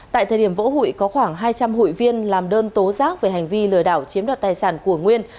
tại thời điểm vỡ hụi có khoảng hai trăm linh hụi viên làm đơn tố giác về hành vi lừa đảo chiếm đoạt tài sản của nguyên